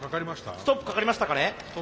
ストップかかりましたね。